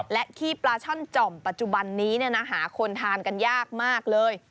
และขี้ปลาช่อนจ่อมปัจจุบันนี้หาคนทานกันยากมากเลย